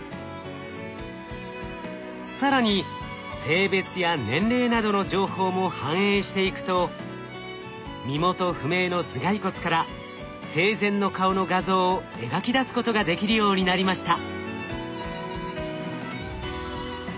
更に性別や年齢などの情報も反映していくと身元不明の頭蓋骨から生前の顔の画像を描き出すことができるようになりました。